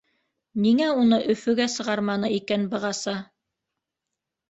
Ниңә уны Өфөгә сығарманы икән бығаса?